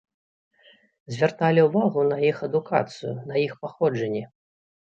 Звярталі ўвагу на іх адукацыю, на іх паходжанне.